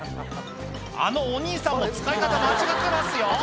あのお兄さんも使い方間違ってますよ